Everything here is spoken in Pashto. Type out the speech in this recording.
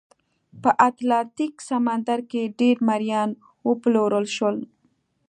په اتلانتیک سمندر کې ډېر مریان وپلورل شول.